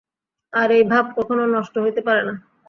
আর এই ভাব কখনও নষ্ট হইতে পারে না।